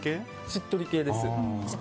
しっとり系です。